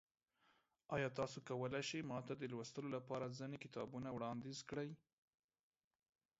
ایا تاسو کولی شئ ما ته د لوستلو لپاره ځینې کتابونه وړاندیز کړئ؟